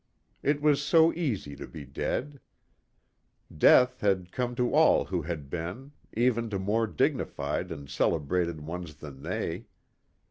It was so easy to be dead. Death had come to all who had been, even to more dignified and celebrated ones than they.